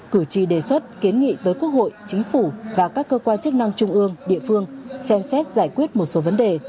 cử tri đề xuất kiến nghị tới quốc hội chính phủ và các cơ quan chức năng trung ương địa phương xem xét giải quyết một số vấn đề